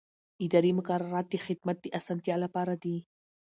اداري مقررات د خدمت د اسانتیا لپاره دي.